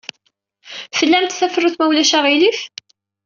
Tlamt tafrut, ma ulac aɣilif?